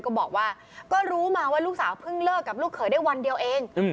ก็บอกว่าก็รู้มาว่าลูกสาวเพิ่งเลิกกับลูกเขยได้วันเดียวเอง